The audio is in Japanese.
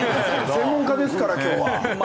専門家ですから今日は。